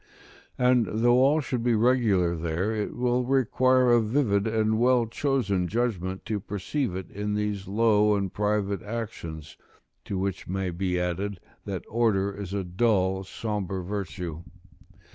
And though all should be regular there, it will require a vivid and well chosen judgment to perceive it in these low and private actions; to which may be added, that order is a dull, sombre virtue.